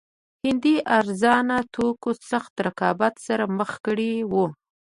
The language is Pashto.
هندي ارزانه توکو سخت رقابت سره مخ کړي وو.